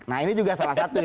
nah ini juga salah satu ya